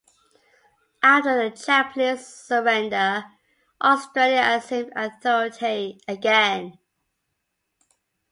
After the Japanese surrender, Australia assumed authority again.